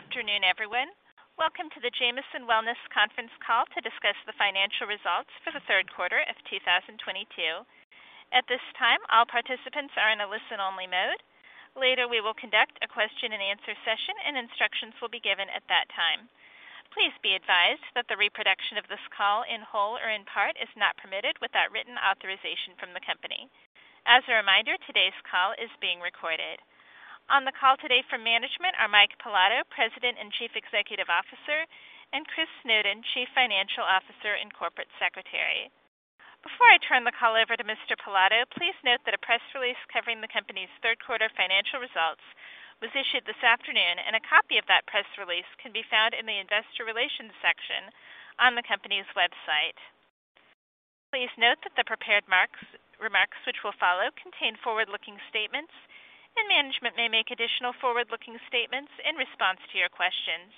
Good afternoon, everyone. Welcome to the Jamieson Wellness conference call to discuss the financial results for the third quarter of 2022. At this time, all participants are in a listen-only mode. Later, we will conduct a question-and-answer session, and instructions will be given at that time. Please be advised that the reproduction of this call in whole or in part is not permitted without written authorization from the company. As a reminder, today's call is being recorded. On the call today from management are Mike Pilato, President and Chief Executive Officer, and Christopher Snowden, Chief Financial Officer and Corporate Secretary. Before I turn the call over to Mr. Pilato, please note that a press release covering the company's third quarter financial results was issued this afternoon, and a copy of that press release can be found in the investor relations section on the company's website. Please note that the prepared remarks which will follow contain forward-looking statements, and management may make additional forward-looking statements in response to your questions.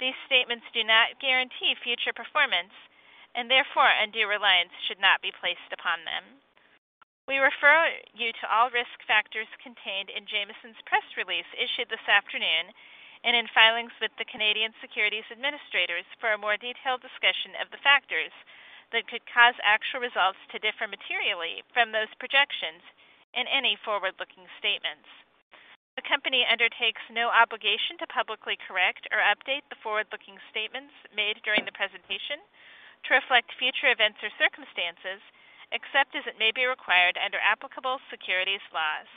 These statements do not guarantee future performance, and therefore, undue reliance should not be placed upon them. We refer you to all risk factors contained in Jamieson Wellness Inc.'s press release issued this afternoon and in filings with the Canadian Securities Administrators for a more detailed discussion of the factors that could cause actual results to differ materially from those projections in any forward-looking statements. The company undertakes no obligation to publicly correct or update the forward-looking statements made during the presentation to reflect future events or circumstances, except as it may be required under applicable securities laws.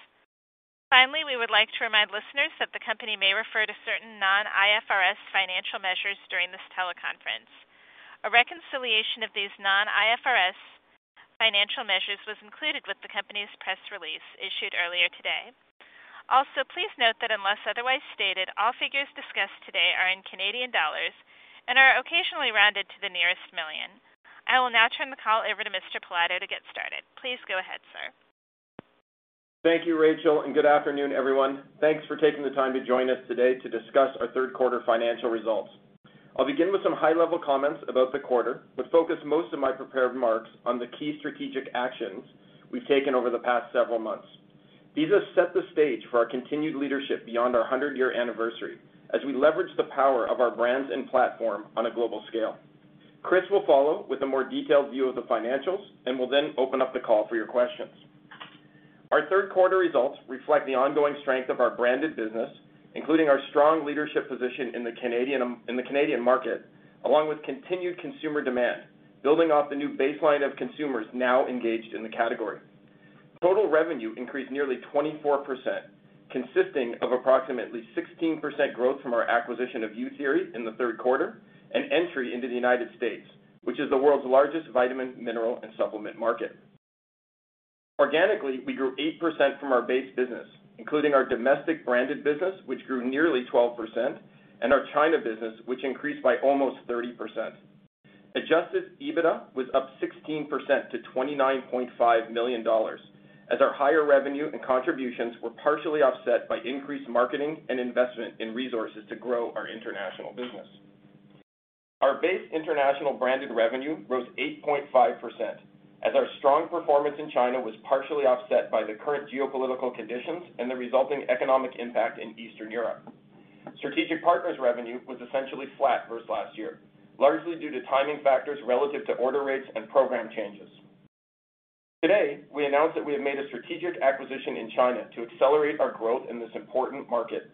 Finally, we would like to remind listeners that the company may refer to certain non-IFRS financial measures during this teleconference. A reconciliation of these non-IFRS financial measures was included with the company's press release issued earlier today. Please note that unless otherwise stated, all figures discussed today are in Canadian dollars and are occasionally rounded to the nearest million. I will now turn the call over to Mr. Pilato to get started. Please go ahead, sir. Thank you, Rachel, and good afternoon, everyone. Thanks for taking the time to join us today to discuss our third quarter financial results. I'll begin with some high-level comments about the quarter, but focus most of my prepared remarks on the key strategic actions we've taken over the past several months. These have set the stage for our continued leadership beyond our 100-year anniversary as we leverage the power of our brands and platform on a global scale. Chris will follow with a more detailed view of the financials, and we'll then open up the call for your questions. Our third quarter results reflect the ongoing strength of our branded business, including our strong leadership position in the Canadian market, along with continued consumer demand, building off the new baseline of consumers now engaged in the category. Total revenue increased nearly 24%, consisting of approximately 16% growth from our acquisition of Youtheory in the third quarter and entry into the United States, which is the world's largest vitamin, mineral, and supplement market. Organically, we grew 8% from our base business, including our domestic branded business, which grew nearly 12%, and our China business, which increased by almost 30%. Adjusted EBITDA was up 16% to 29.5 million dollars, as our higher revenue and contributions were partially offset by increased marketing and investment in resources to grow our international business. Our base international branded revenue rose 8.5%, as our strong performance in China was partially offset by the current geopolitical conditions and the resulting economic impact in Eastern Europe. Strategic partners revenue was essentially flat versus last year, largely due to timing factors relative to order rates and program changes. Today, we announced that we have made a strategic acquisition in China to accelerate our growth in this important market.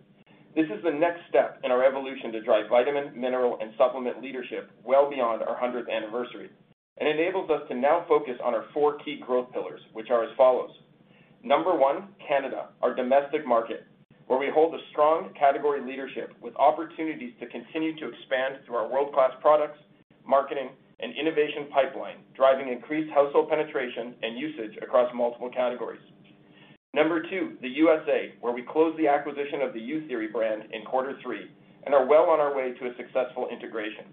This is the next step in our evolution to drive vitamin, mineral, and supplement leadership well beyond our hundredth anniversary. It enables us to now focus on our four key growth pillars, which are as follows. Number one, Canada, our domestic market, where we hold a strong category leadership with opportunities to continue to expand through our world-class products, marketing, and innovation pipeline, driving increased household penetration and usage across multiple categories. Number two, the U.S.A, where we closed the acquisition of the Youtheory brand in quarter three and are well on our way to a successful integration.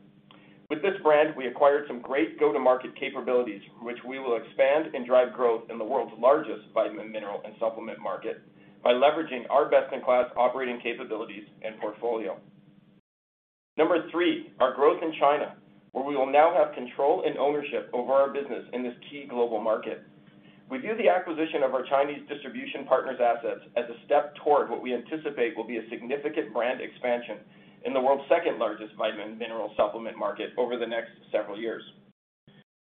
With this brand, we acquired some great go-to-market capabilities, which we will expand and drive growth in the world's largest vitamin, mineral, and supplement market by leveraging our best-in-class operating capabilities and portfolio. Number three, our growth in China, where we will now have control and ownership over our business in this key global market. We view the acquisition of our Chinese distribution partner's assets as a step toward what we anticipate will be a significant brand expansion in the world's second-largest vitamin, mineral, supplement market over the next several years.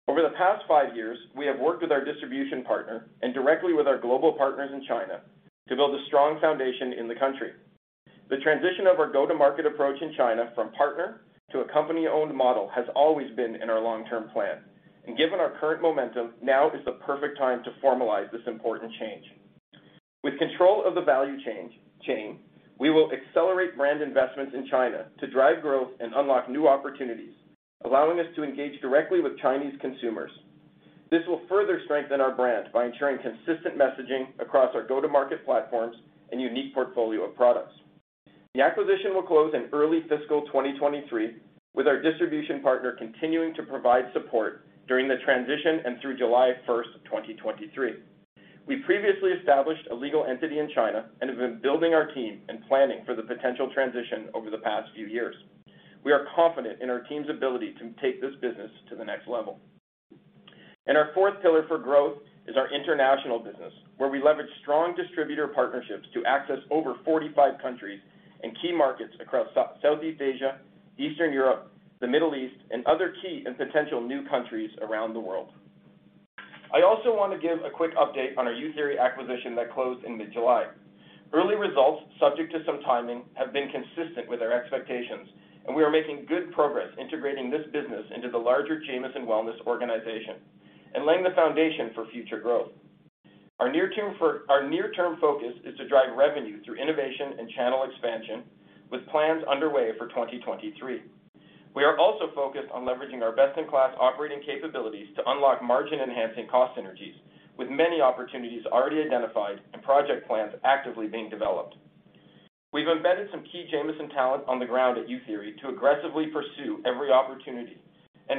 Over the past five years, we have worked with our distribution partner and directly with our global partners in China to build a strong foundation in the country. The transition of our go-to-market approach in China from partner to a company-owned model has always been in our long-term plan, and given our current momentum, now is the perfect time to formalize this important change. With control of the value chain, we will accelerate brand investments in China to drive growth and unlock new opportunities, allowing us to engage directly with Chinese consumers. This will further strengthen our brand by ensuring consistent messaging across our go-to-market platforms and unique portfolio of products. The acquisition will close in early fiscal 2023, with our distribution partner continuing to provide support during the transition and through July 1, 2023. We previously established a legal entity in China and have been building our team and planning for the potential transition over the past few years. We are confident in our team's ability to take this business to the next level. Our fourth pillar for growth is our international business, where we leverage strong distributor partnerships to access over 45 countries and key markets across South and Southeast Asia, Eastern Europe, the Middle East, and other key and potential new countries around the world. I also want to give a quick update on our Youtheory acquisition that closed in mid-July. Early results, subject to some timing, have been consistent with our expectations, and we are making good progress integrating this business into the larger Jamieson Wellness organization and laying the foundation for future growth. Our near-term focus is to drive revenue through innovation and channel expansion with plans underway for 2023. We are also focused on leveraging our best-in-class operating capabilities to unlock margin-enhancing cost synergies with many opportunities already identified and project plans actively being developed. We've embedded some key Jamieson talent on the ground at Youtheory to aggressively pursue every opportunity.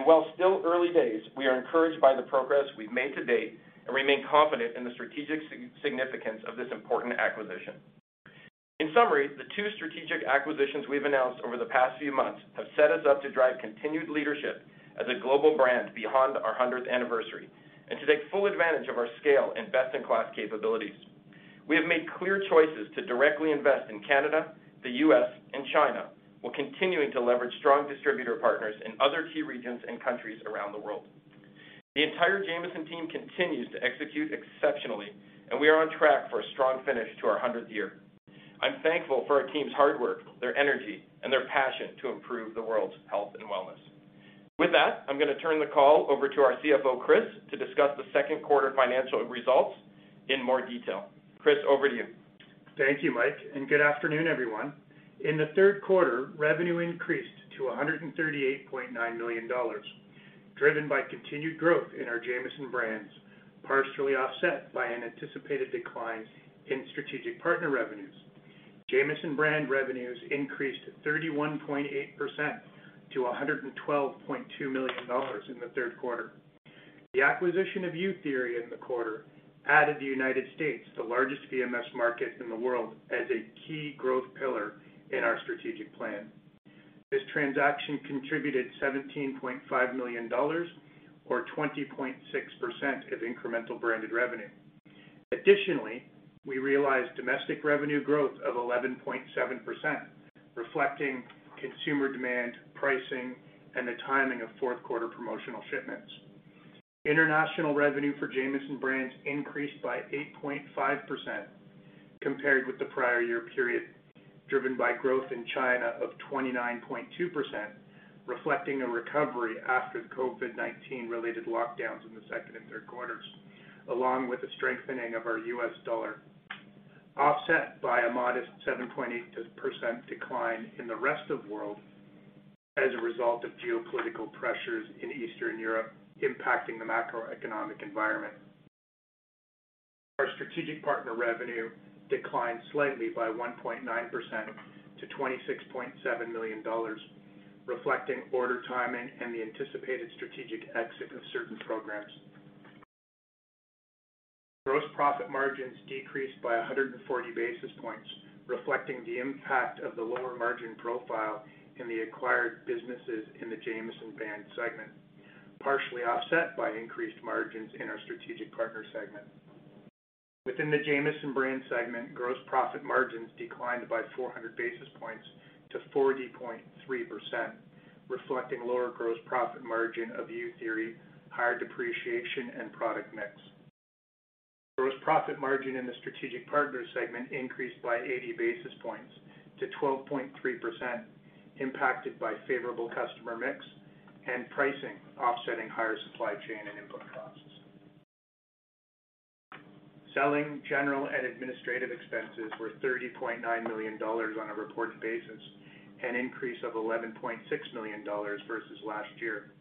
While still early days, we are encouraged by the progress we've made to date and remain confident in the strategic significance of this important acquisition. In summary, the two strategic acquisitions we've announced over the past few months have set us up to drive continued leadership as a global brand beyond our hundredth anniversary and to take full advantage of our scale and best-in-class capabilities. We have made clear choices to directly invest in Canada, the U.S., and China, while continuing to leverage strong distributor partners in other key regions and countries around the world. The entire Jamieson team continues to execute exceptionally, and we are on track for a strong finish to our hundredth year. I'm thankful for our team's hard work, their energy, and their passion to improve the world's health and wellness. With that, I'm gonna turn the call over to our CFO, Chris, to discuss the second quarter financial results in more detail. Chris, over to you. Thank you, Mike, and good afternoon, everyone. In the third quarter, revenue increased to 138.9 million dollars, driven by continued growth in our Jamieson brands, partially offset by an anticipated decline in strategic partner revenues. Jamieson brand revenues increased 31.8% to 112.2 million dollars in the third quarter. The acquisition of Youtheory in the quarter added the United States, the largest VMS market in the world, as a key growth pillar in our strategic plan. This transaction contributed 17.5 million dollars or 20.6% of incremental branded revenue. Additionally, we realized domestic revenue growth of 11.7%, reflecting consumer demand, pricing, and the timing of fourth quarter promotional shipments. International revenue for Jamieson brands increased by 8.5% compared with the prior year period, driven by growth in China of 29.2%, reflecting a recovery after the COVID-19 related lockdowns in the second and third quarters, along with the strengthening of our U.S. dollar, offset by a modest 7.8% decline in the rest of world as a result of geopolitical pressures in Eastern Europe impacting the macroeconomic environment. Our strategic partner revenue declined slightly by 1.9% to 26.7 million dollars, reflecting order timing and the anticipated strategic exit of certain programs. Gross profit margins decreased by 140 basis points, reflecting the impact of the lower margin profile in the acquired businesses in the Jamieson brand segment, partially offset by increased margins in our strategic partner segment. Within the Jamieson brand segment, gross profit margins declined by 400 basis points to 40.3%, reflecting lower gross profit margin of Youtheory, higher depreciation and product mix. Gross profit margin in the strategic partner segment increased by 80 basis points to 12.3%, impacted by favorable customer mix and pricing offsetting higher supply chain and input costs. Selling general and administrative expenses were 30.9 million dollars on a reported basis, an increase of 11.6 million dollars versus last year,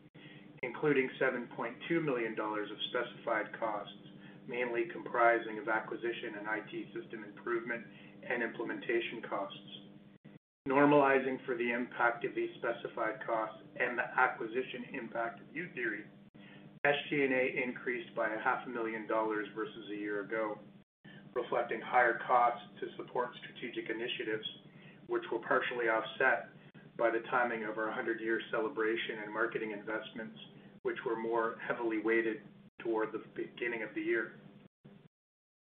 including 7.2 million dollars of specified costs, mainly comprising of acquisition and IT system improvement and implementation costs. Normalizing for the impact of these specified costs and the acquisition impact of Youtheory, SG&A increased by 500,000 dollars versus a year ago, reflecting higher costs to support strategic initiatives which were partially offset by the timing of our 100-year celebration and marketing investments, which were more heavily-weighted toward the beginning of the year.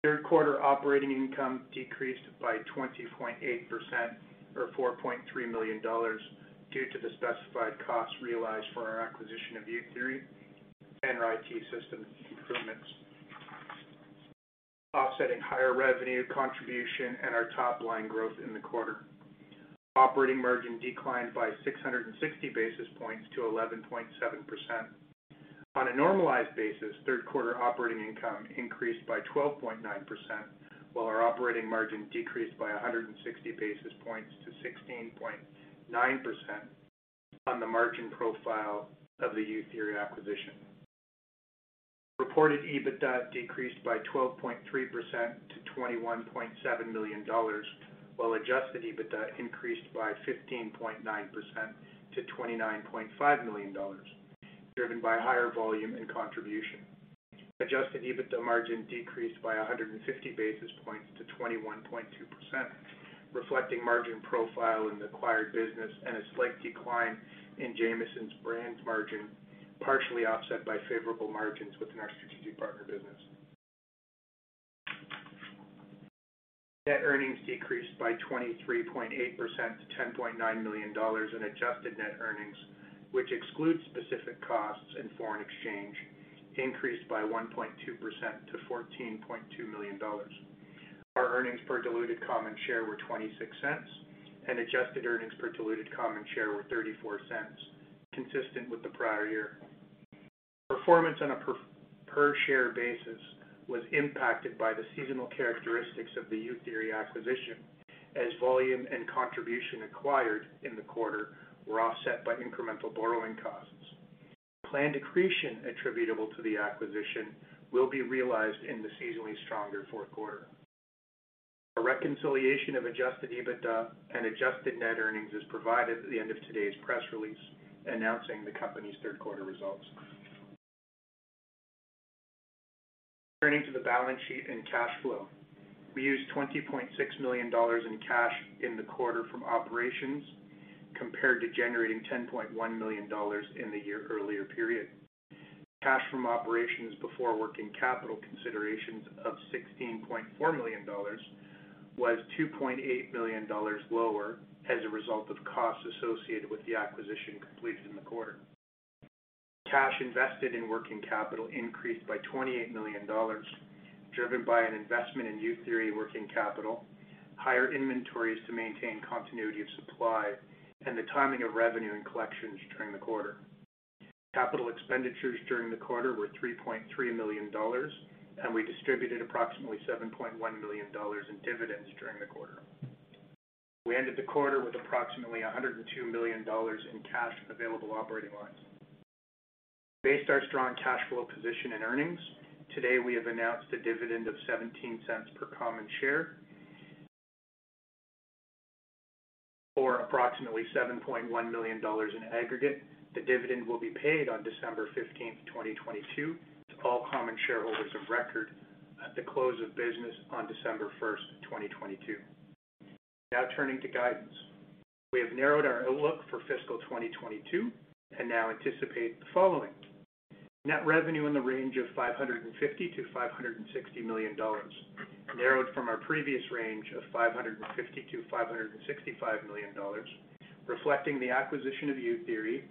Third quarter operating income decreased by 20.8% or 4.3 million dollars due to the specified costs realized for our acquisition of Youtheory and our IT system improvements, offsetting higher revenue contribution and our top line growth in the quarter. Operating margin declined by 660 basis points to 11.7%. On a normalized basis, third quarter operating income increased by 12.9%, while our operating margin decreased by 160 basis points to 16.9% on the margin profile of the Youtheory acquisition. Reported EBITDA decreased by 12.3% to 21.7 million dollars, while adjusted EBITDA increased by 15.9% to 29.5 million dollars, driven by higher volume and contribution. Adjusted EBITDA margin decreased by 150 basis points to 21.2%, reflecting margin profile in the acquired business and a slight decline in Jamieson's brand margin, partially offset by favorable margins within our strategic partner business. Net earnings decreased by 23.8% to 10.9 million dollars, and adjusted net earnings, which excludes specific costs, and foreign exchange increased by 1.2% to 14.2 million dollars. Our earnings per diluted common share were 0.26, and adjusted earnings per diluted common share were 0.34, consistent with the prior year. Performance on a per share basis was impacted by the seasonal characteristics of the Youtheory acquisition, as volume and contribution acquired in the quarter were offset by incremental borrowing costs. Planned accretion attributable to the acquisition will be realized in the seasonally stronger fourth quarter. A reconciliation of adjusted EBITDA and adjusted net earnings is provided at the end of today's press release announcing the company's third quarter results. Turning to the balance sheet and cash flow. We used 20.6 million dollars in cash in the quarter from operations compared to generating 10.1 million dollars in the year earlier period. Cash from operations before working capital considerations of 16.4 million dollars was 2.8 million dollars lower as a result of costs associated with the acquisition completed in the quarter. Cash invested in working capital increased by 28 million dollars, driven by an investment in Youtheory working capital, higher inventories to maintain continuity of supply, and the timing of revenue and collections during the quarter. Capital expenditures during the quarter were 3.3 million dollars, and we distributed approximately 7.1 million dollars in dividends during the quarter. We ended the quarter with approximately 102 million dollars in cash and available operating lines. Based on strong cash flow position and earnings, today we have announced a dividend of 0.17 per common share for approximately 7.1 million dollars in aggregate. The dividend will be paid on December fifteenth, 2022 to all common shareholders of record at the close of business on December first, 2022. Now turning to guidance. We have narrowed our outlook for fiscal 2022 and now anticipate the following. Net revenue in the range of 550 million-560 million dollars, narrowed from our previous range of 550 million-565 million dollars, reflecting the acquisition of Youtheory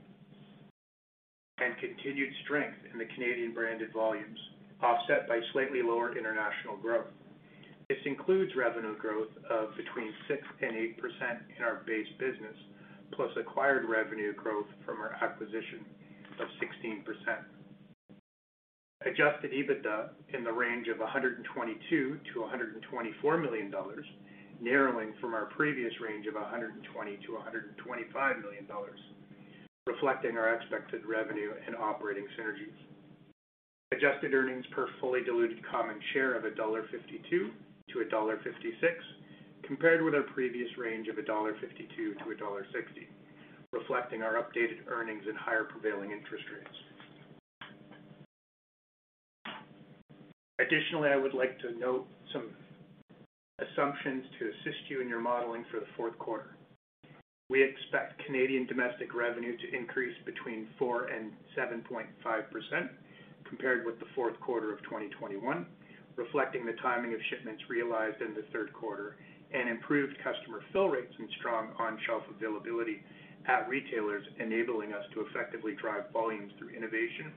and continued strength in the Canadian branded volumes, offset by slightly lower international growth. This includes revenue growth of between 6% and 8% in our base business, plus acquired revenue growth from our acquisition of 16%. Adjusted EBITDA in the range of 122 million-124 million dollars, narrowing from our previous range of 120 million-125 million dollars, reflecting our expected revenue and operating synergies. Adjusted earnings per fully diluted common share of 1.52-1.56 dollar, compared with our previous range of 1.52-1.60 dollar, reflecting our updated earnings and higher prevailing interest rates. Additionally, I would like to note some assumptions to assist you in your modeling for the fourth quarter. We expect Canadian domestic revenue to increase between 4% and 7.5% compared with the fourth quarter of 2021, reflecting the timing of shipments realized in the third quarter and improved customer fill rates and strong on-shelf availability at retailers, enabling us to effectively drive volumes through innovation,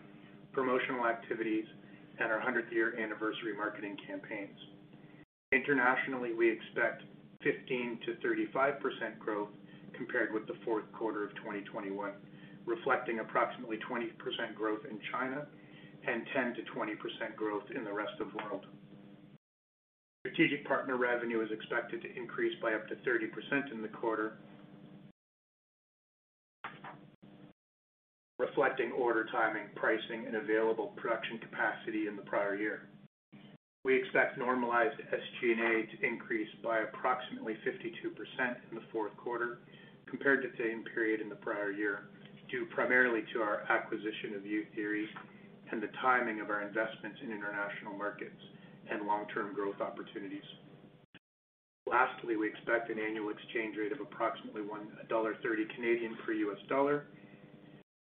promotional activities, and our 100th year anniversary marketing campaigns. Internationally, we expect 15%-35% growth compared with the fourth quarter of 2021, reflecting approximately 20% growth in China and 10%-20% growth in the rest of world. Strategic partner revenue is expected to increase by up to 30% in the quarter, reflecting order timing, pricing, and available production capacity in the prior year. We expect normalized SG&A to increase by approximately 52% in the fourth quarter compared to the same period in the prior year, due primarily to our acquisition of Youtheory and the timing of our investments in international markets and long-term growth opportunities. Lastly, we expect an annual exchange rate of approximately 1.30 dollar per U.S. dollar.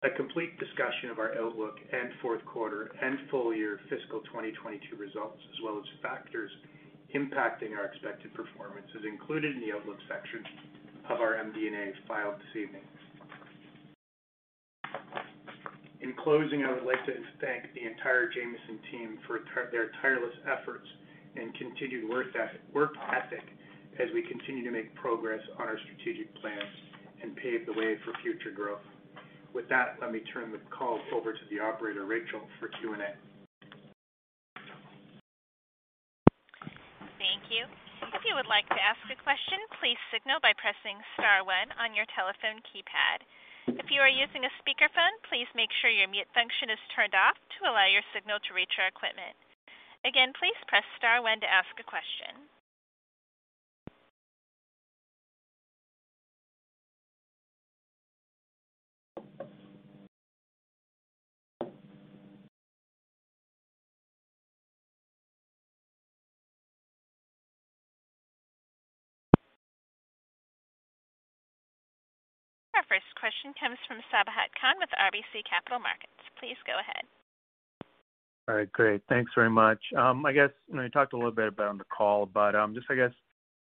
A complete discussion of our outlook and fourth quarter and full year fiscal 2022 results, as well as factors impacting our expected performance is included in the outlook section of our MD&A filed this evening. In closing, I would like to thank the entire Jamieson team for their tireless efforts and continued work ethic as we continue to make progress on our strategic plans and pave the way for future growth. With that, let me turn the call over to the operator, Rachel, for Q&A. Thank you. If you would like to ask a question, please signal by pressing star one on your telephone keypad. If you are using a speakerphone, please make sure your mute function is turned off to allow your signal to reach our equipment. Again, please press star one to ask a question. Our first question comes from Sabahat Khan with RBC Capital Markets. Please go ahead. All right, great. Thanks very much. I guess, you know, you talked a little bit about on the call, but, just I guess,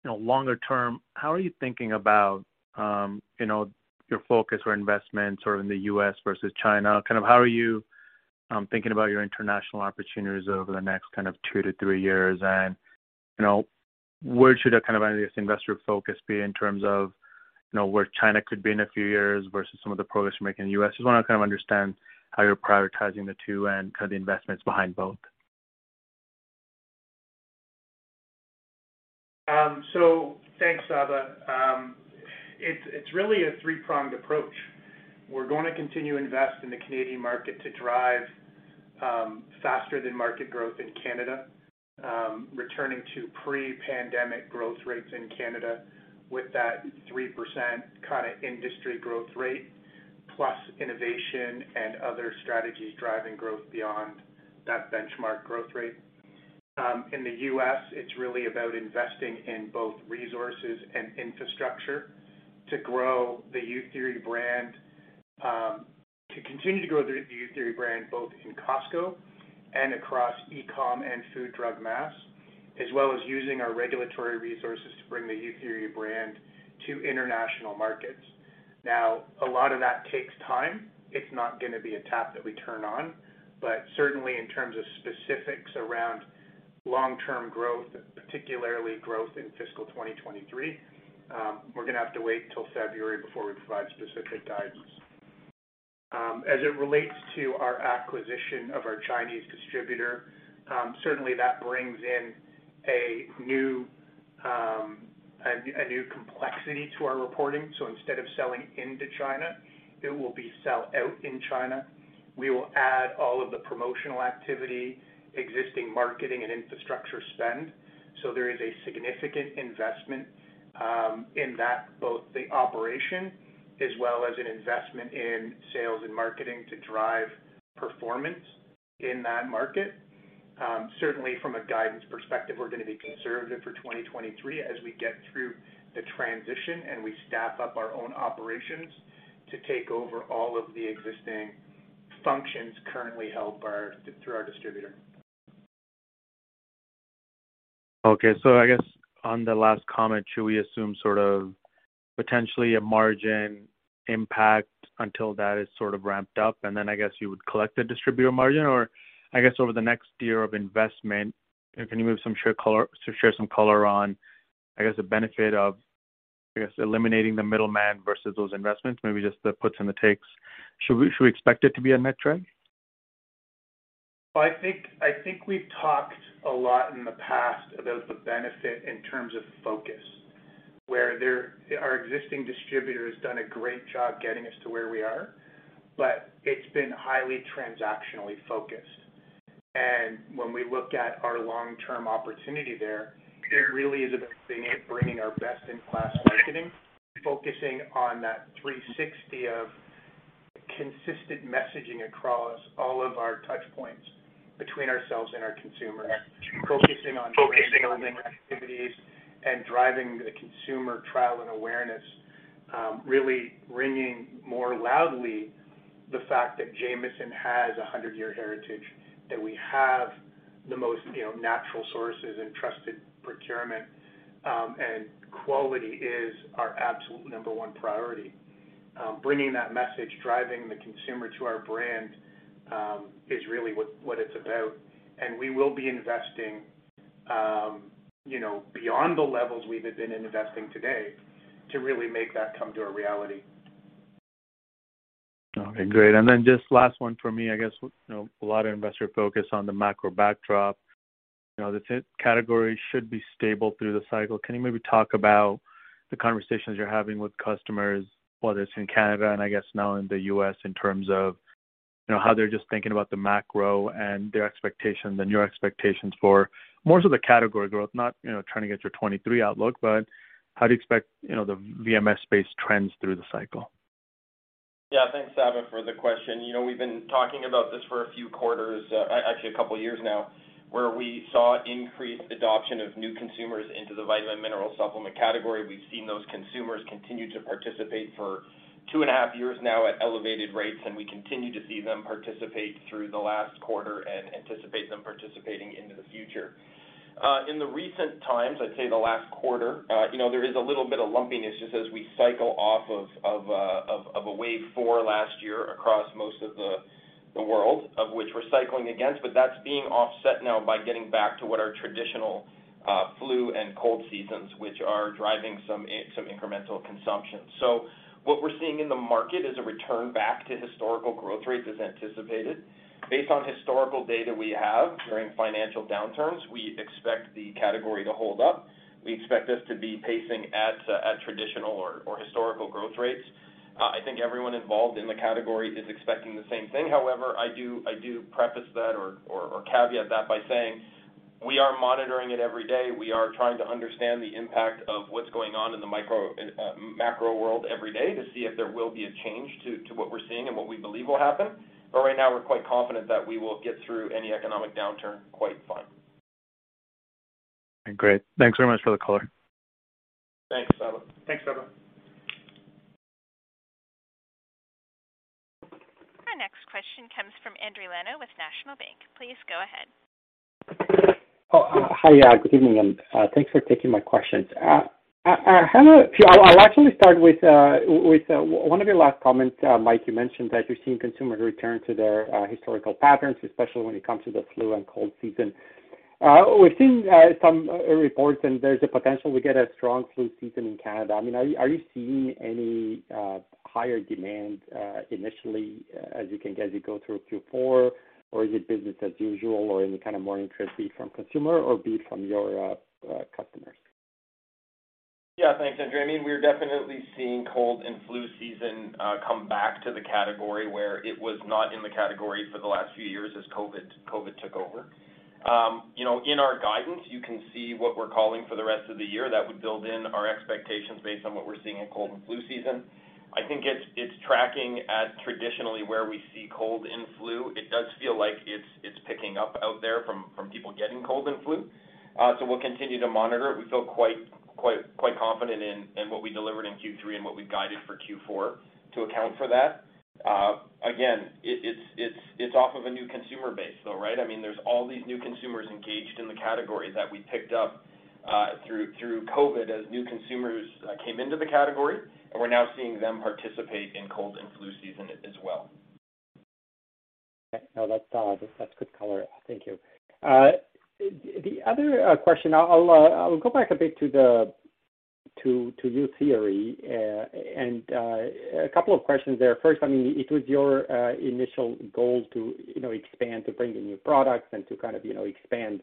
you know, longer term, how are you thinking about, you know, your focus or investments or in the U.S. versus China? Kind of how are you, thinking about your international opportunities over the next kind of two to three years? You know, where should a kind of analyst investor focus be in terms of, you know, where China could be in a few years versus some of the progress you're making in the U.S.? Just wanna kind of understand how you're prioritizing the two and kind of the investments behind both. Thanks, Sabahat. It's really a three-pronged approach. We're gonna continue to invest in the Canadian market to drive faster than market growth in Canada, returning to pre-pandemic growth rates in Canada with that 3% kind of industry growth rate, plus innovation and other strategies driving growth beyond that benchmark growth rate. In the U.S., it's really about investing in both resources and infrastructure to grow the Youtheory brand, to continue to grow the Youtheory brand both in Costco and across e-com and Food, Drug, Mass, as well as using our regulatory resources to bring the Youtheory brand to international markets. Now, a lot of that takes time. It's not gonna be a tap that we turn on. Certainly in terms of specifics around long-term growth, particularly growth in fiscal 2023, we're gonna have to wait till February before we provide specific guidance. As it relates to our acquisition of our Chinese distributor, certainly that brings in a new complexity to our reporting. Instead of selling into China, it will be sell out in China. We will add all of the promotional activity, existing marketing, and infrastructure spend. There is a significant investment in that, both the operation as well as an investment in sales and marketing to drive performance in that market. Certainly from a guidance perspective, we're gonna be conservative for 2023 as we get through the transition, and we staff up our own operations to take over all of the existing functions currently held by our distributor. Okay. I guess on the last comment, should we assume sort of potentially a margin impact until that is sort of ramped up? And then I guess you would collect the distributor margin, or I guess over the next year of investment, can you share some color on, I guess, the benefit of, I guess, eliminating the middleman versus those investments, maybe just the puts and the takes. Should we expect it to be a net trade? I think we've talked a lot in the past about the benefit in terms of focus, where our existing distributor has done a great job getting us to where we are, but it's been highly transactionally focused. When we look at our long-term opportunity there, it really is about bringing our best-in-class marketing, focusing on that 360 of consistent messaging across all of our touch points between ourselves and our consumers, focusing on building activities and driving the consumer trial and awareness, really ringing more loudly the fact that Jamieson has a 100-year heritage, that we have the most, you know, natural sources and trusted procurement, and quality is our absolute number one priority. Bringing that message, driving the consumer to our brand, is really what it's about. We will be investing, you know, beyond the levels we have been investing today to really make that come to a reality. Okay, great. Then just last one for me, I guess. You know, a lot of investor focus on the macro backdrop. You know, the category should be stable through the cycle. Can you maybe talk about the conversations you're having with customers, whether it's in Canada and I guess now in the U.S. in terms of, you know, how they're just thinking about the macro and their expectations and your expectations for more so the category growth, not, you know, trying to get your 2023 outlook, but how do you expect, you know, the VMS space trends through the cycle? Yeah. Thanks, Sabahat, for the question. You know, we've been talking about this for a few quarters, actually a couple of years now, where we saw increased adoption of new consumers into the vitamin mineral supplement category. We've seen those consumers continue to participate for 2.5 years now at elevated rates, and we continue to see them participate through the last quarter and anticipate them participating into the future. In the recent times, I'd say the last quarter, you know, there is a little bit of lumpiness just as we cycle off of a wave four last year across most of the world of which we're cycling against. That's being offset now by getting back to what our traditional flu and cold seasons, which are driving some incremental consumption. What we're seeing in the market is a return back to historical growth rates as anticipated. Based on historical data we have during financial downturns, we expect the category to hold up. We expect this to be pacing at traditional or historical growth rates. I think everyone involved in the category is expecting the same thing. However, I do preface that or caveat that by saying We are monitoring it every day. We are trying to understand the impact of what's going on in the macro world every day to see if there will be a change to what we're seeing and what we believe will happen. Right now we're quite confident that we will get through any economic downturn quite fine. Great. Thanks very much for the color. Thanks, Sabahat. Thanks, Sabahat. Our next question comes from Zachary Evershed with National Bank Financial. Please go ahead. Oh, hi. Yeah, good evening, and thanks for taking my questions. I'll actually start with one of your last comments, Mike. You mentioned that you're seeing consumers return to their historical patterns, especially when it comes to the flu and cold season. We've seen some reports, and there's a potential we get a strong flu season in Canada. I mean, are you seeing any higher demand initially as you go through Q4? Is it business as usual or any kind of more interest, be it from consumer or be it from your customers? Yeah, thanks, Andrew. I mean, we're definitely seeing cold and flu season come back to the category where it was not in the category for the last few years as COVID took over. You know, in our guidance, you can see what we're calling for the rest of the year. That would build in our expectations based on what we're seeing in cold and flu season. I think it's tracking at traditionally where we see cold and flu. It does feel like it's picking up out there from people getting cold and flu. We'll continue to monitor. We feel quite confident in what we delivered in Q3 and what we guided for Q4 to account for that. Again, it's off of a new consumer base, though, right? I mean, there's all these new consumers engaged in the category that we picked up through COVID as new consumers came into the category, and we're now seeing them participate in cold and flu season as well. Okay. No, that's good color. Thank you. The other question, I'll go back a bit to Youtheory. A couple of questions there. First, I mean, it was your initial goal to, you know, expand, to bring in new products and to kind of, you know, expand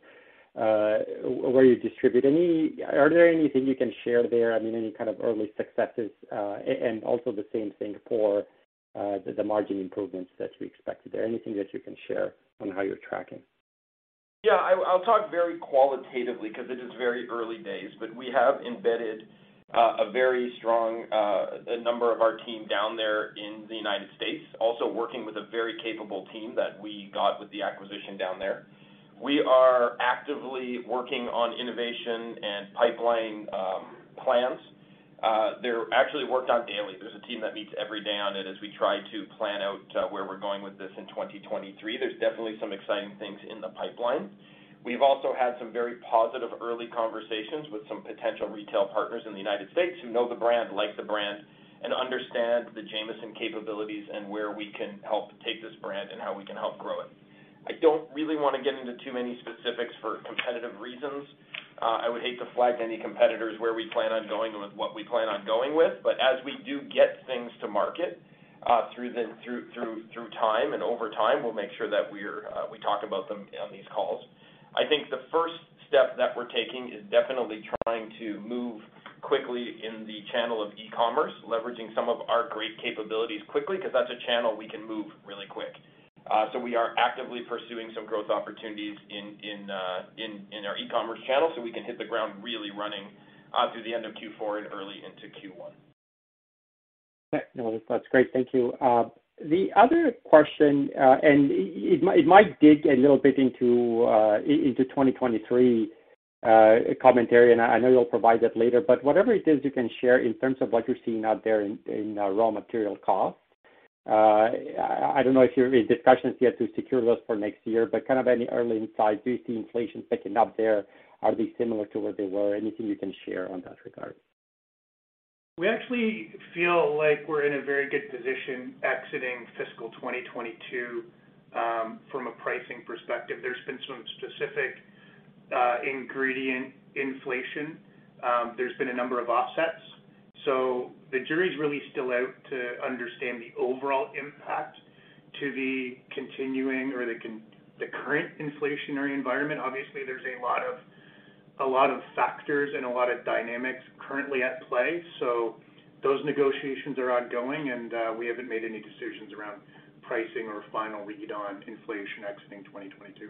where you distribute. Are there anything you can share there? I mean, any kind of early successes, and also the same thing for the margin improvements that we expected there. Anything that you can share on how you're tracking? Yeah. I'll talk very qualitatively 'cause it is very early days. We have embedded a very strong a number of our team down there in the United States, also working with a very capable team that we got with the acquisition down there. We are actively working on innovation and pipeline plans. They're actually worked on daily. There's a team that meets every day on it as we try to plan out where we're going with this in 2023. There's definitely some exciting things in the pipeline. We've also had some very positive early conversations with some potential retail partners in the United States who know the brand, like the brand, and understand the Jamieson capabilities and where we can help take this brand and how we can help grow it. I don't really wanna get into too many specifics for competitive reasons. I would hate to flag any competitors where we plan on going with what we plan on going with. As we do get things to market, through time and over time, we'll make sure that we talk about them on these calls. I think the first step that we're taking is definitely trying to move quickly in the channel of e-commerce, leveraging some of our great capabilities quickly, 'cause that's a channel we can move really quick. We are actively pursuing some growth opportunities in our e-commerce channel so we can hit the ground really running, through the end of Q4 and early into Q1. No, that's great. Thank you. The other question, and it might dig a little bit into 2023 commentary, and I know you'll provide that later. Whatever it is you can share in terms of what you're seeing out there in raw material costs. I don't know if you're in discussions yet to secure those for next year, but kind of any early insights. Do you see inflation picking up there? Are they similar to what they were? Anything you can share on that regard? We actually feel like we're in a very good position exiting fiscal 2022 from a pricing perspective. There's been some specific ingredient inflation. There's been a number of offsets. The jury's really still out to understand the overall impact to the current inflationary environment. Obviously, there's a lot of factors and a lot of dynamics currently at play. Those negotiations are ongoing, and we haven't made any decisions around pricing or final read on inflation exiting 2022.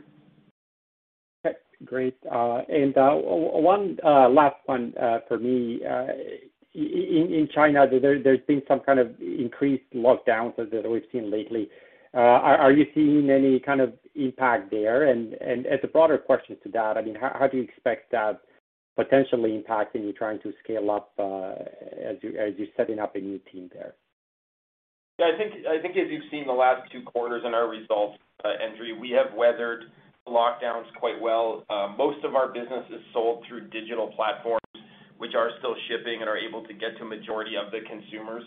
Okay, great. One last one for me. In China, there's been some kind of increased lockdowns as we've seen lately. Are you seeing any kind of impact there? As a broader question to that, I mean, how do you expect that potentially impacting you trying to scale up, as you're setting up a new team there? I think as you've seen the last two quarters in our results, indeed, we have weathered lockdowns quite well. Most of our business is sold through digital platforms, which are still shipping and are able to get to majority of the consumers.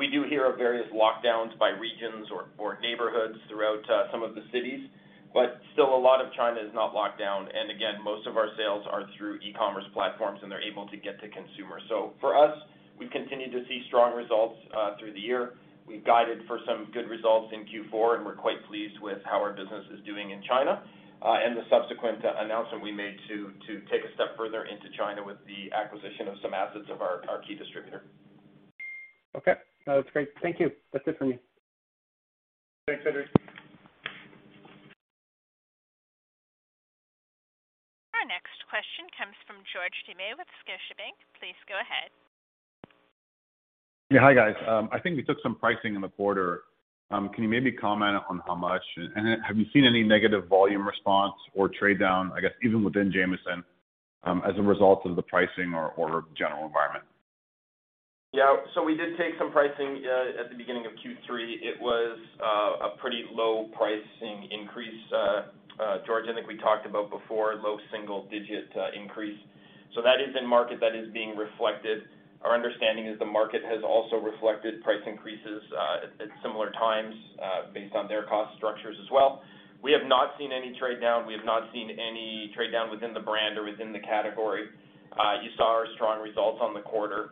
We do hear of various lockdowns by regions or neighborhoods throughout some of the cities, but still a lot of China is not locked down. Again, most of our sales are through e-commerce platforms, and they're able to get to consumers. For us, we continue to see strong results through the year. We've guided for some good results in Q4, and we're quite pleased with how our business is doing in China, and the subsequent announcement we made to take a step further into China with the acquisition of some assets of our key distributor. Okay, that's great. Thank you. That's it for me. Thanks, Zachary. Our next question comes from George Doumet with Scotiabank. Please go ahead. Yeah. Hi, guys. I think we took some pricing in the quarter. Can you maybe comment on how much? Have you seen any negative volume response or trade down, I guess, even within Jamieson, as a result of the pricing or general environment? Yeah. We did take some pricing at the beginning of Q3. It was a pretty low pricing increase. George, I think we talked about before low single digit increase. That is in market. That is being reflected. Our understanding is the market has also reflected price increases at similar times based on their cost structures as well. We have not seen any trade down within the brand or within the category. You saw our strong results on the quarter.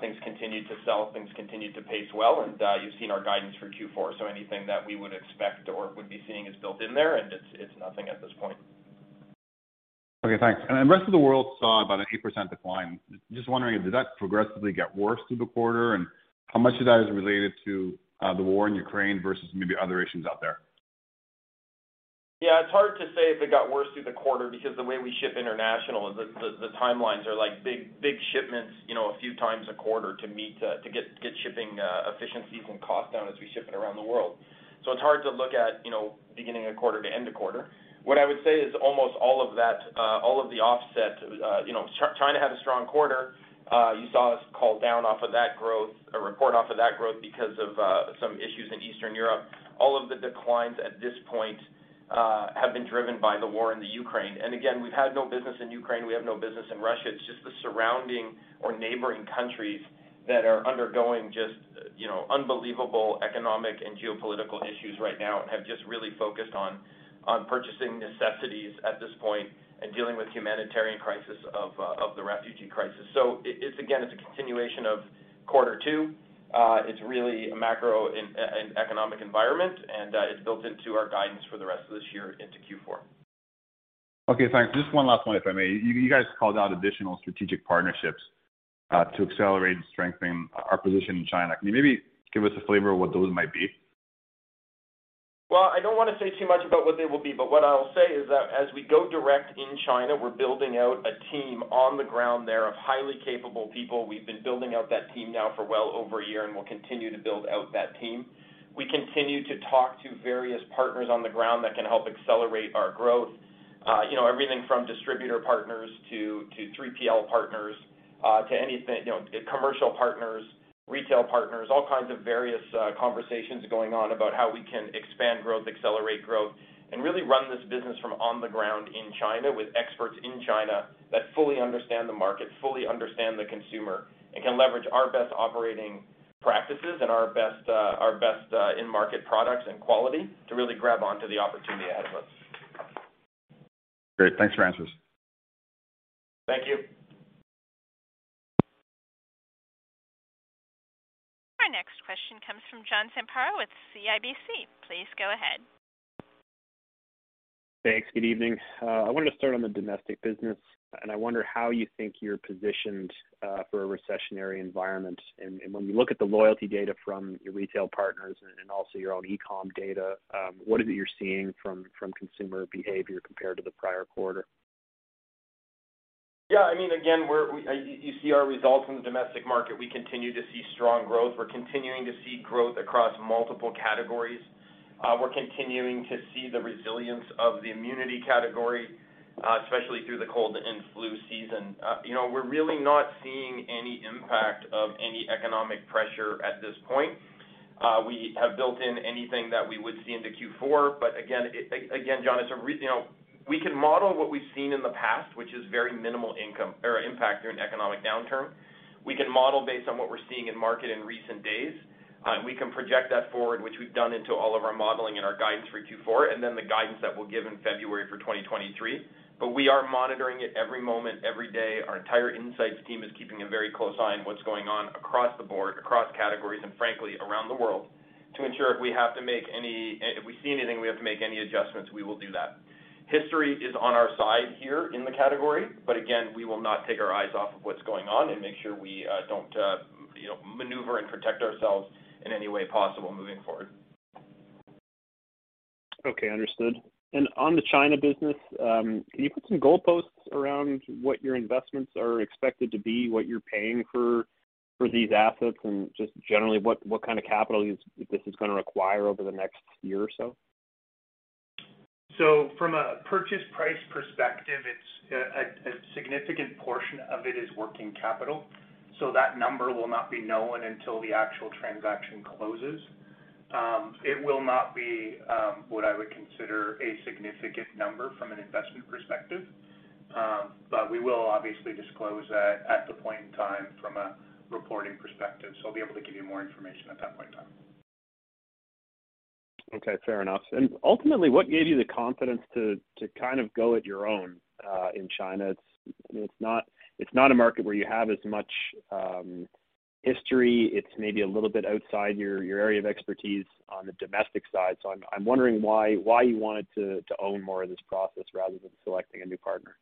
Things continued to sell. Things continued to pace well, and you've seen our guidance for Q4. Anything that we would expect or would be seeing is built in there, and it's nothing at this point. Okay, thanks. Rest of the world saw about an 8% decline. Just wondering, did that progressively get worse through the quarter? How much of that is related to the war in Ukraine versus maybe other issues out there? Yeah. It's hard to say if it got worse through the quarter because the way we ship international is the timelines are like big shipments, you know, a few times a quarter to get shipping efficiencies and costs down as we ship it around the world. It's hard to look at, you know, beginning of quarter to end of quarter. What I would say is almost all of that, all of the offset, you know, China had a strong quarter. You saw us call down off of that growth or report off of that growth because of some issues in Eastern Europe. All of the declines at this point have been driven by the war in Ukraine. Again, we've had no business in Ukraine. We have no business in Russia. It's just the surrounding or neighboring countries that are undergoing just, you know, unbelievable economic and geopolitical issues right now and have just really focused on purchasing necessities at this point and dealing with humanitarian crisis of the refugee crisis. It's again a continuation of quarter two. It's really a macro and economic environment, and it's built into our guidance for the rest of this year into Q4. Okay, thanks. Just one last one, if I may. You guys called out additional strategic partnerships to accelerate and strengthen our position in China. Can you maybe give us a flavor of what those might be? Well, I don't wanna say too much about what they will be, but what I'll say is that as we go direct in China, we're building out a team on the ground there of highly capable people. We've been building out that team now for well over a year, and we'll continue to build out that team. We continue to talk to various partners on the ground that can help accelerate our growth. You know, everything from distributor partners to 3PL partners to anything. You know, commercial partners, retail partners, all kinds of various conversations going on about how we can expand growth, accelerate growth, and really run this business from on the ground in China with experts in China that fully understand the market, fully understand the consumer, and can leverage our best operating practices and our best in market products and quality to really grab onto the opportunity ahead of us. Great. Thanks for answers. Thank you. Our next question comes from John Zamparo with CIBC. Please go ahead. Thanks. Good evening. I wanted to start on the domestic business. I wonder how you think you're positioned for a recessionary environment. When we look at the loyalty data from your retail partners and also your own e-com data, what is it you're seeing from consumer behavior compared to the prior quarter? Yeah. I mean, again, you see our results in the domestic market. We continue to see strong growth. We're continuing to see growth across multiple categories. We're continuing to see the resilience of the immunity category, especially through the cold and flu season. You know, we're really not seeing any impact of any economic pressure at this point. We have built in anything that we would see into Q4. Again, John, you know, we can model what we've seen in the past, which is very minimal income or impact during economic downturn. We can model based on what we're seeing in market in recent days. We can project that forward, which we've done into all of our modeling and our guidance for Q4, and then the guidance that we'll give in February for 2023. We are monitoring it every moment, every day. Our entire insights team is keeping a very close eye on what's going on across the board, across categories, and frankly, around the world to ensure if we see anything, we have to make any adjustments, we will do that. History is on our side here in the category, again, we will not take our eyes off of what's going on and make sure we, don't, you know, maneuver and protect ourselves in any way possible moving forward. Okay. Understood. On the China business, can you put some goalposts around what your investments are expected to be, what you're paying for these assets? Just generally, what kind of capital use this is gonna require over the next year or so? From a purchase price perspective, it's a significant portion of it is working capital, so that number will not be known until the actual transaction closes. It will not be what I would consider a significant number from an investment perspective. We will obviously disclose that at the point in time from a reporting perspective. I'll be able to give you more information at that point in time. Okay. Fair enough. Ultimately, what gave you the confidence to kind of go at your own in China? It's, you know, it's not a market where you have as much history. It's maybe a little bit outside your area of expertise on the domestic side. I'm wondering why you wanted to own more of this process rather than selecting a new partner.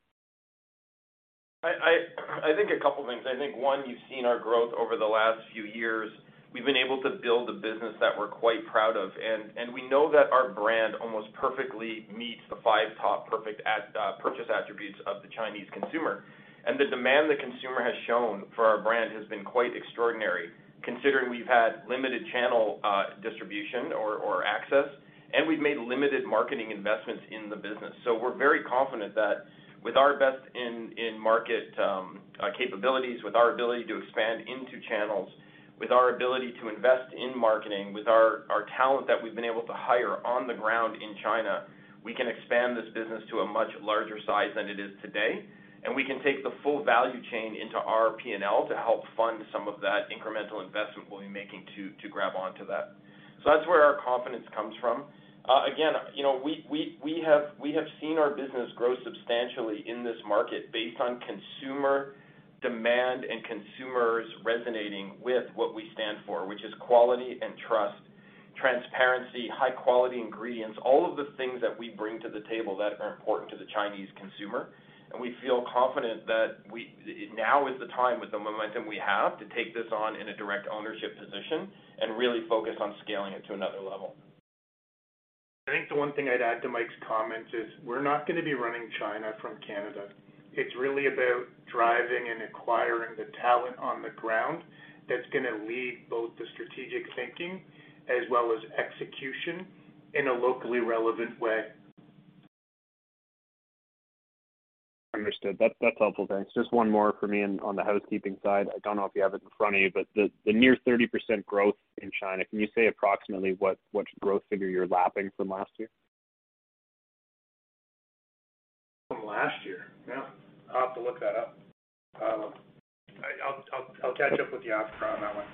I think a couple things. I think, one, you've seen our growth over the last few years. We've been able to build a business that we're quite proud of, and we know that our brand almost perfectly meets the five top perfect purchase attributes of the Chinese consumer. The demand the consumer has shown for our brand has been quite extraordinary considering we've had limited channel distribution or access, and we've made limited marketing investments in the business. We're very confident that with our best in market capabilities, with our ability to expand into channels, with our ability to invest in marketing, with our talent that we've been able to hire on the ground in China, we can expand this business to a much larger size than it is today, and we can take the full value chain into our P&L to help fund some of that incremental investment we'll be making to grab onto that. That's where our confidence comes from. Again, you know, we have seen our business grow substantially in this market based on consumer demand and consumers resonating with what we stand for, which is quality and trust, transparency, high-quality ingredients, all of the things that we bring to the table that are important to the Chinese consumer. We feel confident that now is the time with the momentum we have to take this on in a direct ownership position and really focus on scaling it to another level. I think the one thing I'd add to Mike's comments is we're not gonna be running China from Canada. It's really about driving and acquiring the talent on the ground that's gonna lead both the strategic thinking as well as execution in a locally relevant way. Understood. That's helpful. Thanks. Just one more for me on the housekeeping side. I don't know if you have it in front of you, but the near 30% growth in China, can you say approximately what growth figure you're lapping from last year? From last year? Yeah. I'll have to look that up. I'll catch up with you after on that one.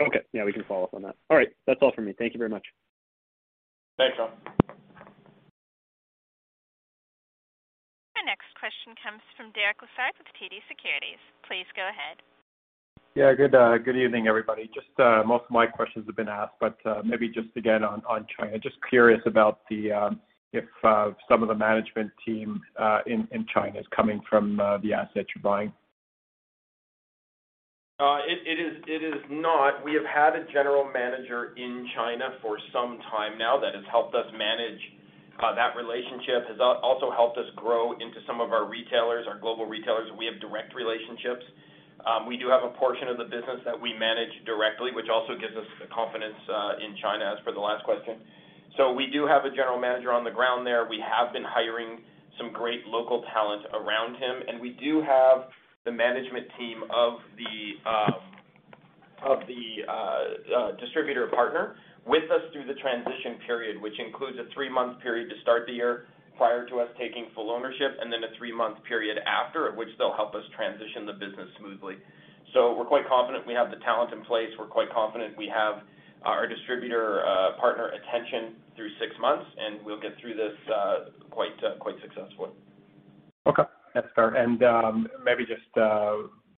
Okay. Yeah, we can follow up on that. All right. That's all for me. Thank you very much. Thanks, John. Our next question comes from Derek Lessard with TD Securities. Please go ahead. Yeah. Good evening, everybody. Just, most of my questions have been asked, but maybe just again on China. Just curious about if some of the management team in China is coming from the asset you're buying. It is not. We have had a general manager in China for some time now that has helped us manage that relationship, has also helped us grow into some of our retailers, our global retailers. We have direct relationships. We do have a portion of the business that we manage directly, which also gives us the confidence in China, as per the last question. We do have a general manager on the ground there. We have been hiring some great local talent around him, and we do have the management team of the distributor partner with us through the transition period, which includes a three-month period to start the year prior to us taking full ownership and then a three-month period after at which they'll help us transition the business smoothly. We're quite confident we have the talent in place. We're quite confident we have our distributor partner retention through six months, and we'll get through this quite successfully. Okay. That's fair. Maybe just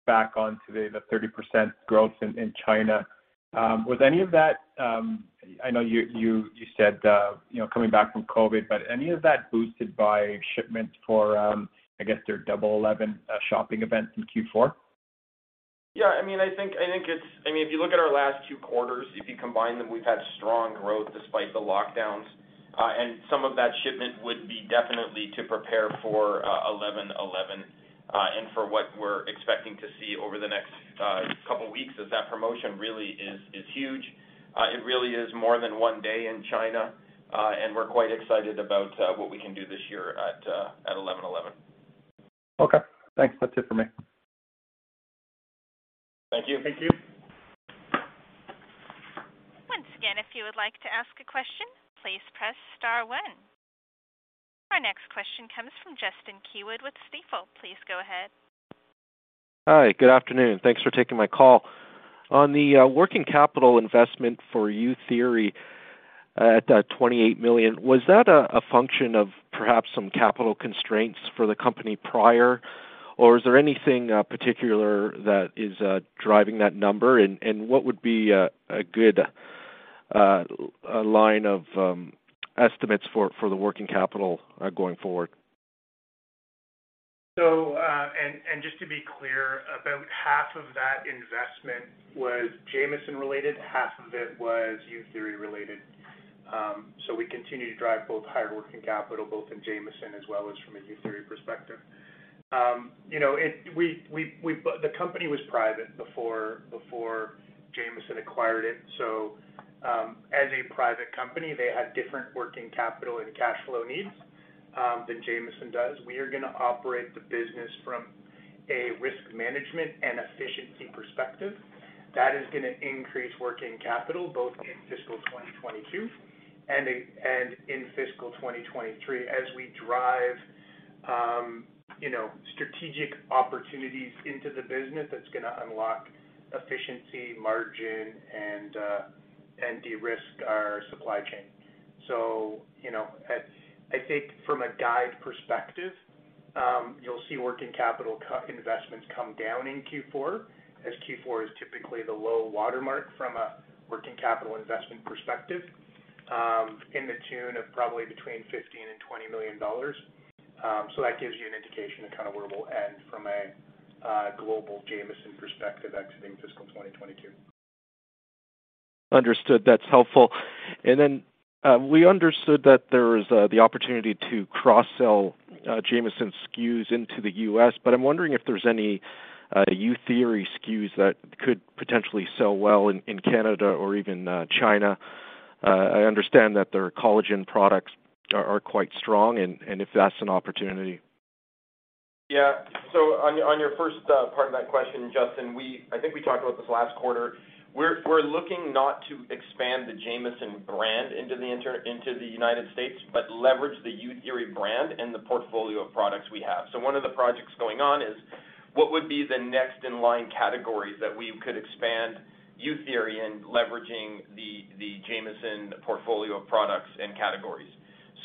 back on to the 30% growth in China, was any of that, I know you said, you know, coming back from COVID, but any of that boosted by shipments for, I guess, their Double 11 shopping event in Q4? Yeah. I mean, I think. I mean, if you look at our last two quarters, if you combine them, we've had strong growth despite the lockdowns. Some of that shipment would be definitely to prepare for 11.11, and for what we're expecting to see over the next couple weeks as that promotion really is huge. It really is more than one day in China, and we're quite excited about what we can do this year at 11.11. Okay. Thanks. That's it for me. Thank you. Thank you. Once again, if you would like to ask a question, please press star one. Our next question comes from Justin Keywood with Stifel. Please go ahead. Hi. Good afternoon. Thanks for taking my call. On the working capital investment for Youtheory at 28 million, was that a function of perhaps some capital constraints for the company prior, or is there anything particular that is driving that number? What would be a good line of estimates for the working capital going forward? Just to be clear, about half of that investment was Jamieson-related, half of it was Youtheory-related. We continue to drive both higher working capital both in Jamieson as well as from a Youtheory perspective. You know, the company was private before Jamieson acquired it. As a private company, they had different working capital and cash flow needs than Jamieson does. We are gonna operate the business from a risk management and efficiency perspective. That is gonna increase working capital both in fiscal 2022 and in fiscal 2023. As we drive you know, strategic opportunities into the business, that's gonna unlock efficiency, margin and de-risk our supply chain. You know, I think from a guide perspective, you'll see working capital investments come down in Q4, as Q4 is typically the low water mark from a working capital investment perspective. To the tune of probably between 15 million and 20 million dollars. That gives you an indication of where we'll end from a global Jamieson perspective exiting fiscal 2022. Understood. That's helpful. We understood that there was the opportunity to cross-sell Jamieson SKUs into the U.S., but I'm wondering if there's any Youtheory SKUs that could potentially sell well in Canada or even China. I understand that their collagen products are quite strong and if that's an opportunity. Yeah. On your first part of that question, Justin, I think we talked about this last quarter. We're looking not to expand the Jamieson brand into the United States, but leverage the Youtheory brand and the portfolio of products we have. One of the projects going on is what would be the next in line categories that we could expand Youtheory in leveraging the Jamieson portfolio of products and categories.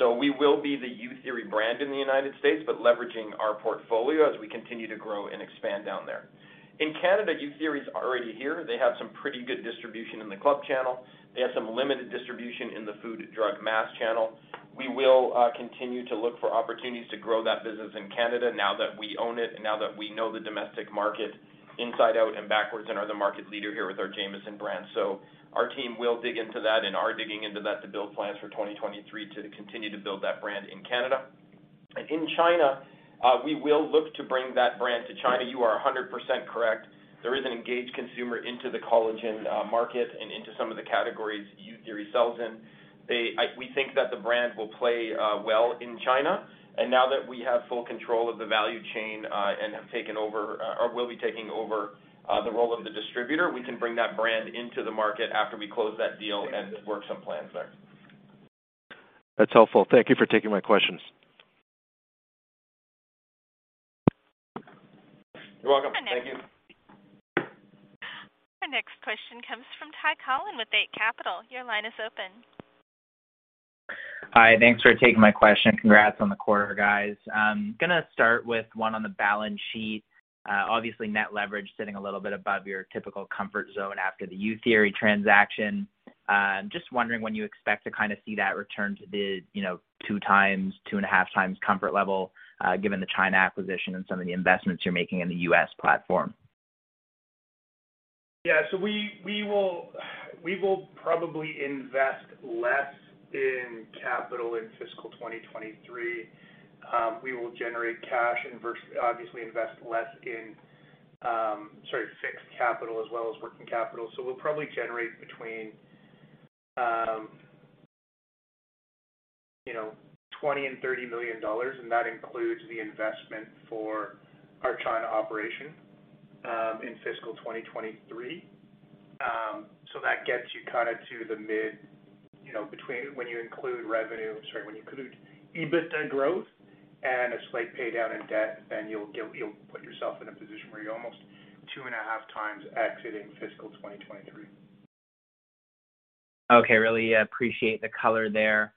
We will be the Youtheory brand in the United States, but leveraging our portfolio as we continue to grow and expand down there. In Canada, Youtheory is already here. They have some pretty good distribution in the club channel. They have some limited distribution in the Food, Drug, Mass channel. We will continue to look for opportunities to grow that business in Canada now that we own it and now that we know the domestic market inside out and backwards and are the market leader here with our Jamieson brand. Our team will dig into that and are digging into that to build plans for 2023 to continue to build that brand in Canada. In China, we will look to bring that brand to China. You are 100% correct. There is an engaged consumer into the collagen market and into some of the categories Youtheory sells in. We think that the brand will play well in China. Now that we have full control of the value chain, and have taken over or will be taking over the role of the distributor, we can bring that brand into the market after we close that deal and work some plans there. That's helpful. Thank you for taking my questions. You're welcome. Thank you. Our next question comes from Ty Collin with Eight Capital. Your line is open. Hi. Thanks for taking my question. Congrats on the quarter, guys. I'm gonna start with one on the balance sheet. Obviously, net leverage sitting a little bit above your typical comfort zone after the Youtheory transaction. Just wondering when you expect to kinda see that return to the, you know, 2x, 2.5x comfort level, given the China acquisition and some of the investments you're making in the U.S. platform? We will probably invest less in capital in fiscal 2023. We will generate cash and obviously invest less in fixed capital as well as working capital. We'll probably generate between 20 million and 30 million dollars, and that includes the investment for our China operation in fiscal 2023. That gets you kinda to the mid, you know, between when you include EBITDA growth and a slight pay down in debt, then you'll put yourself in a position where you're almost 2.5x exiting fiscal 2023. Okay. Really appreciate the color there.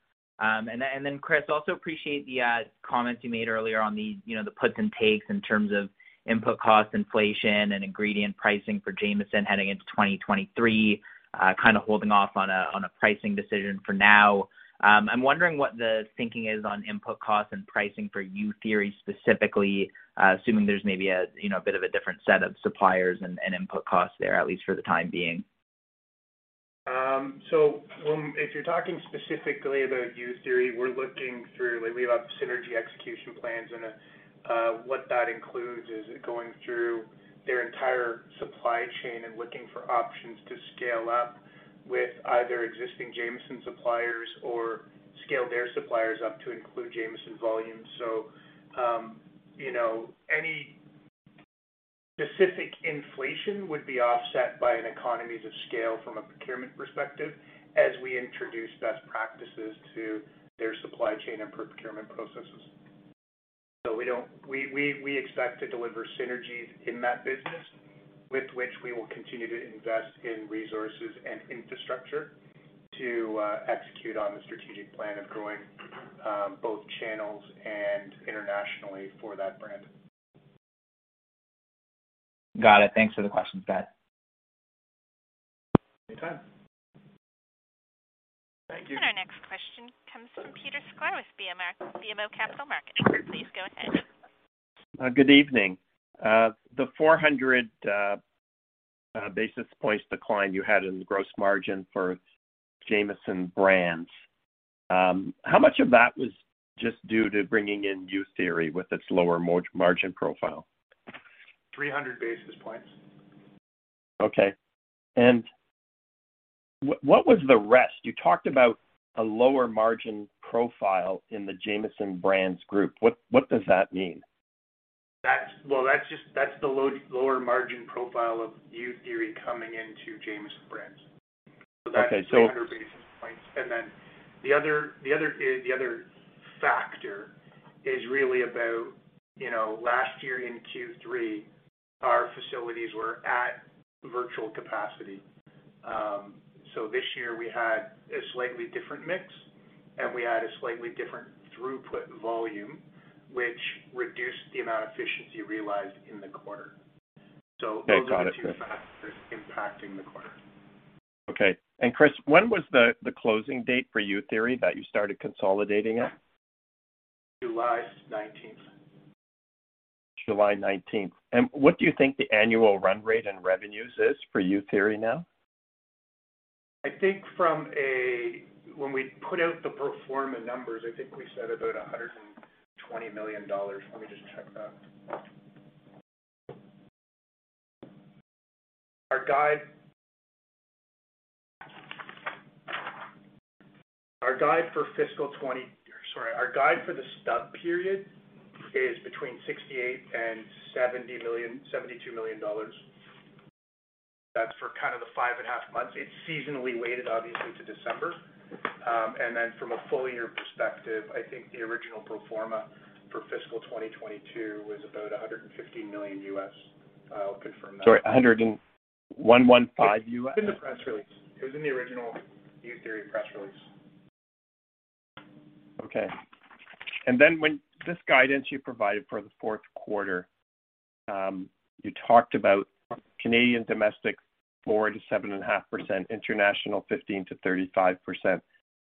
Chris, also appreciate the comments you made earlier on, you know, the puts and takes in terms of input cost inflation and ingredient pricing for Jamieson heading into 2023, kinda holding off on a pricing decision for now. I'm wondering what the thinking is on input costs and pricing for Youtheory specifically, assuming there's maybe a, you know, a bit of a different set of suppliers and input costs there, at least for the time being. If you're talking specifically about Youtheory, we have synergy execution plans, and what that includes is going through their entire supply chain and looking for options to scale up with either existing Jamieson suppliers or scale their suppliers up to include Jamieson volumes. You know, any specific inflation would be offset by economies of scale from a procurement perspective as we introduce best practices to their supply chain and procurement processes. We expect to deliver synergies in that business with which we will continue to invest in resources and infrastructure to execute on the strategic plan of growing both channels and internationally for that brand. Got it. Thanks for the questions, guys. Any time. Thank you. Our next question comes from Peter Sklar with BMO Capital Markets. Please go ahead. Good evening. The 400 basis points decline you had in the gross margin for Jamieson Brands, how much of that was just due to bringing in Youtheory with its lower margin profile? 300 basis points. Okay. What was the rest? You talked about a lower margin profile in the Jamieson Brands group. What does that mean? That's just the lower margin profile of Youtheory coming into Jamieson Brands. Okay. That's 300 basis points. The other factor is really about, you know, last year in Q3, our facilities were at virtual capacity. This year we had a slightly different mix, and we had a slightly different throughput volume, which reduced the amount of efficiency realized in the quarter. Those are two factors impacting the quarter. Okay. Chris, when was the closing date for Youtheory that you started consolidating it? July nineteenth. July 19th. What do you think the annual run rate in revenues is for Youtheory now? I think from a when we put out the pro forma numbers, I think we said about 120 million dollars. Let me just check that. Our guide for the stub period is between 68 million and 72 million dollars. That's for kind of the 5.5 months. It's seasonally weighted obviously to December. And then from a full year perspective, I think the original pro forma for fiscal 2022 was about $150 million. I'll confirm that. Sorry, $101.15 U.S.? It's in the press release. It was in the original other press release. When this guidance you provided for the fourth quarter, you talked about Canadian domestic 4%-7.5%, international 15%-35%.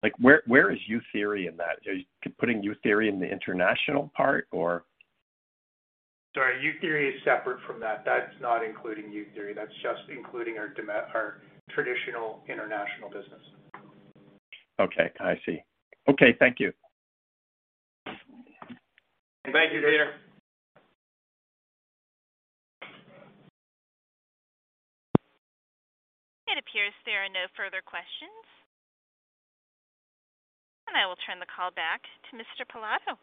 Like, where is Youtheory in that? Are you putting Youtheory in the international part or? Sorry, Youtheory is separate from that. That's not including Youtheory. That's just including our traditional international business. Okay, I see. Okay, thank you. Thank you, Peter. It appears there are no further questions. I will turn the call back to Mr. Pilato.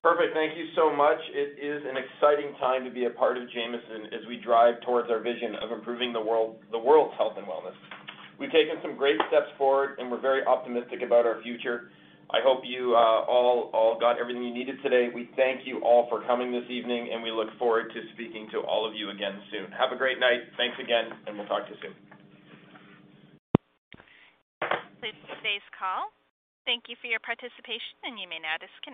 Perfect. Thank you so much. It is an exciting time to be a part of Jamieson as we drive towards our vision of improving the world, the world's health and wellness. We've taken some great steps forward, and we're very optimistic about our future. I hope you all got everything you needed today. We thank you all for coming this evening, and we look forward to speaking to all of you again soon. Have a great night. Thanks again, and we'll talk to you soon. This is today's call. Thank you for your participation, and you may now disconnect.